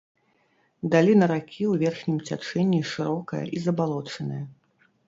Даліна ракі ў верхнім цячэнні шырокая і забалочаная.